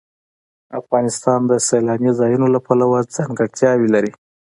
افغانستان د سیلاني ځایونو له پلوه ځانګړتیاوې لري.